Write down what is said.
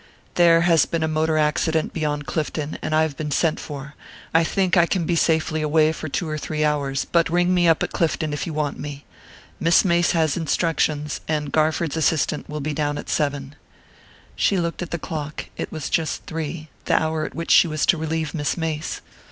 "There has been a motor accident beyond Clifton, and I have been sent for. I think I can safely be away for two or three hours, but ring me up at Clifton if you want me. Miss Mace has instructions, and Garford's assistant will be down at seven." She looked at the clock: it was just three, the hour at which she was to relieve Miss Mace.